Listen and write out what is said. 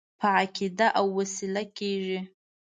په عقیده او وسیله کېږي.